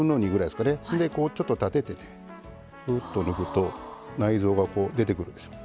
こうちょっと立ててねぐっと抜くと内臓がこう出てくるんです。